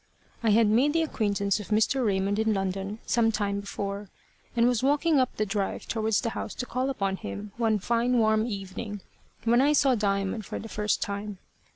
I had made the acquaintance of Mr. Raymond in London some time before, and was walking up the drive towards the house to call upon him one fine warm evening, when I saw Diamond for the first time.